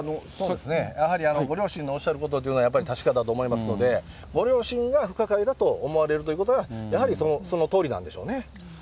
やはりご両親のおっしゃることというのは、やっぱり確かだと思いますので、ご両親は不可解だと思われるということは、やはりそのとおりなんでしょうね。